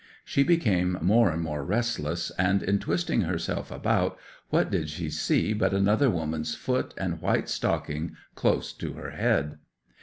She became more and more restless, and in twisting herself about, what did she see but another woman's foot and white stocking close to her head.